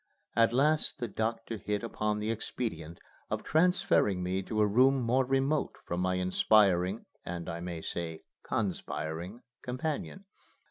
At last the doctor hit upon the expedient of transferring me to a room more remote from my inspiring, and, I may say, conspiring, companion.